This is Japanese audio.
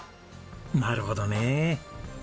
なるほどね。